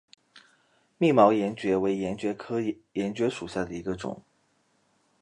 密毛岩蕨为岩蕨科岩蕨属下的一个种。